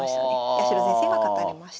八代先生が勝たれました。